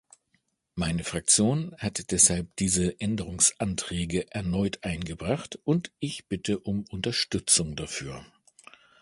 Meine Fraktion hat deshalb diese Änderungsanträge erneut eingebracht, und ich bitte um Unterstützung dafür.